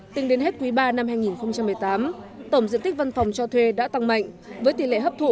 tính đến hết quý ba năm hai nghìn một mươi tám tổng diện tích văn phòng cho thuê đã tăng mạnh với tỷ lệ hấp thụ